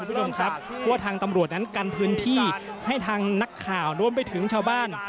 คุณผู้ชมครับว่าทางตำรวจนั้นกันพื้นที่ให้ทางนักข่าวรวมไปถึงชาวบ้าน